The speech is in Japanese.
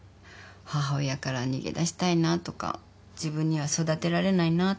母親から逃げだしたいなとか自分には育てられないなとか。